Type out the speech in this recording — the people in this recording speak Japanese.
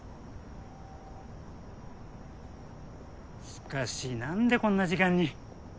しかしなんでこんな時間に。